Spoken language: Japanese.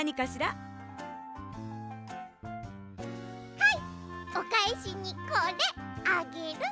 はいおかえしにこれあげる。